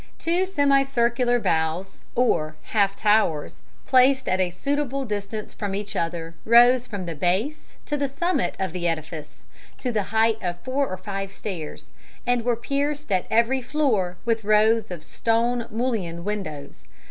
Two semicircular bows, or half towers, placed at a suitable distance from each other, rose from the base to the summit of the edifice, to the height of four or five stairs; and were pierced, at every floor, with rows of stone mullioned windows.